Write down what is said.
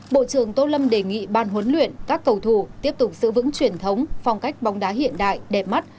bộ trưởng tô lâm đề nghị ban huấn luyện các cầu thủ tiếp tục giữ vững truyền thống phong cách bóng đá hiện đại đẹp mắt